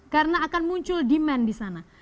karena akan muncul demand di sana